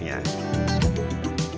jokowi juga pernah diunggah